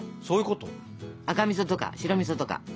赤みそとか白みそとか。